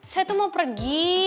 saya tuh mau pergi